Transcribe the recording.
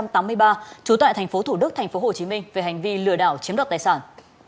trú tại tp thủ đức tp hcm về hành vi lừa đảo chiếm đoạt tài sản